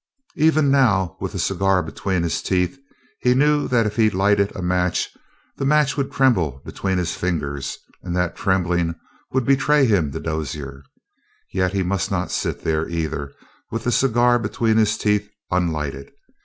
Even now, with the cigar between his teeth, he knew that if he lighted a match, the match would tremble between his fingers, and that trembling would betray him to Dozier. Yet he must not sit there, either, with the cigar between his teeth, unlighted.